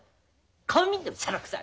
顔見るのもしゃらくさい！